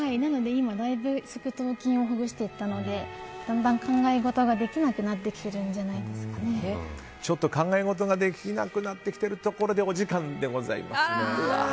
今、だいぶ側頭筋をほぐしてきたのでだんだん、考え事ができなくなってちょっと考え事ができなくなってきているところでお時間でございます。